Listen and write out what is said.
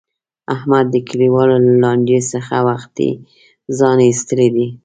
احمد د کلیوالو له لانجې څخه وختي ځان ایستلی دی.